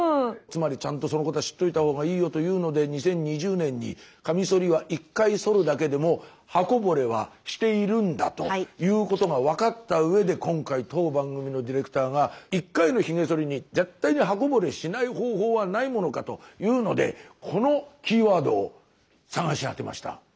つまりちゃんとそのことは知っといたほうがいいよというので２０２０年にカミソリは１回そるだけでも刃こぼれはしているんだということが分かった上で今回当番組のディレクターがというのでこのキーワードを探し当てました。